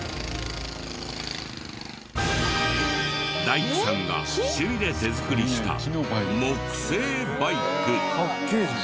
大工さんが趣味で手作りした木製バイク。